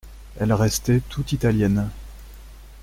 Elle restait tout Italienne.